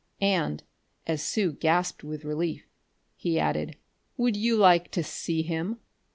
And, as Sue gasped with relief, he added: "Would you like to see him?"